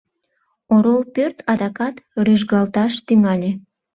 Орол пӧрт адакат рӱжгалташ тӱҥале.